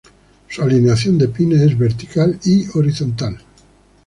Su alineación de pines es vertical y horizontal.